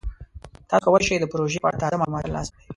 تاسو کولی شئ د پروژې په اړه تازه معلومات ترلاسه کړئ.